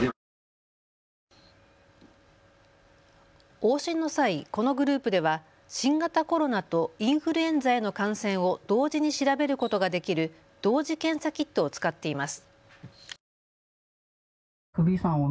往診の際、このグループでは新型コロナとインフルエンザへの感染を同時に調べることができる同時検査キットを使っています。